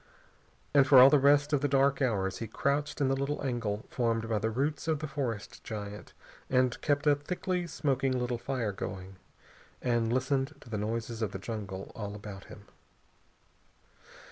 And for all the rest of the dark hours he crouched in the little angle formed by the roots of the forest giant, and kept a thickly smoking little fire going, and listened to the noises of the jungle all about him.